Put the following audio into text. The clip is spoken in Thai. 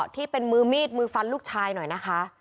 ที่เป็นมือมีดมือฟันลูกชายหน่อยนะคะ